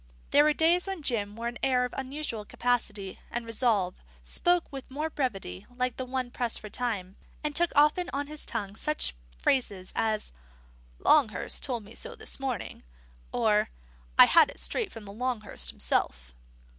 There were days when Jim wore an air of unusual capacity and resolve, spoke with more brevity like one pressed for time, and took often on his tongue such phrases as "Longhurst told me so this morning," or "I had it straight from Longhurst himself."